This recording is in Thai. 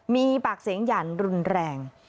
มีปากเสียงหยั่นรุนแรง